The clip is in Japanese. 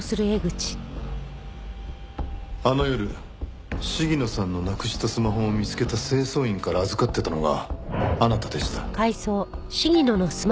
あの夜鴫野さんのなくしたスマホを見つけた清掃員から預かっていたのがあなたでした。